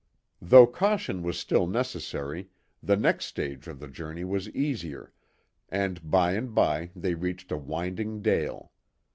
Though caution was still necessary, the next stage of the journey was easier, and by and by they reached a winding dale.